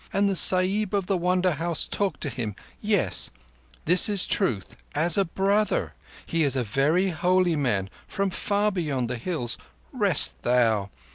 "And the Sahib of the Wonder House talked to him—yes, this is truth as a brother. He is a very holy man, from far beyond the Hills. Rest, thou.